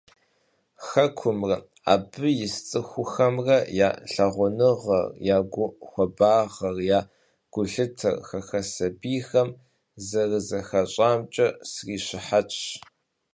Хэкумрэ, абы ис цӏыхухэмрэ я лъагъуныгъэр, я гухуабагъэр, я гулъытэр хэхэс сабийхэм зэрызэхащӏамкӏэ срищыхьэтщ.